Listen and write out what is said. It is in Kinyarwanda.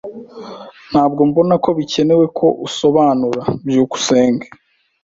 Ntabwo mbona ko bikenewe ko usobanura. byukusenge